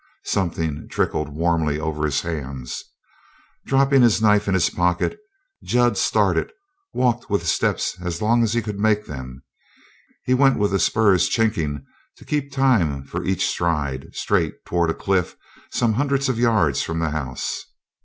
Something trickled warmly over his hands. Dropping his knife in his pocket, Jud started, walked with steps as long as he could make them. He went, with the spurs chinking to keep time for each stride, straight toward a cliff some hundreds of yards from the house.